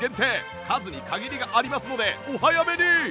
数に限りがありますのでお早めに！